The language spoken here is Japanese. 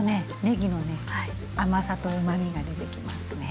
ねぎの甘さとうまみが出てきますね。